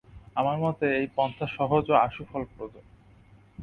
আমার মতে, এই পন্থা সহজ ও আশুফলপ্রদ।